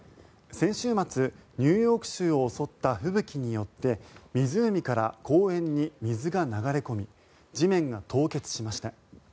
先週末、ニューヨーク州を襲った吹雪によって湖から公園に水が流れ込み地面が凍結しました。